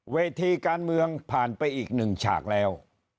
เวทีการเมืองผ่านไปอีกหนึ่งฉากแล้ว